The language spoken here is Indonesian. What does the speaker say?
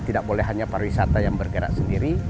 tidak boleh hanya para wisata yang bergerak sendiri